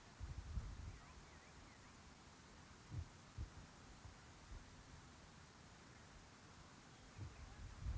asal sekolah sma negeri satu sma negeri tujuh